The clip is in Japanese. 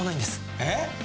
えっ？